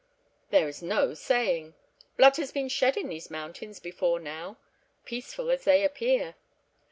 "There is no saying. Blood has been shed in these mountains before now, peaceful as they appear.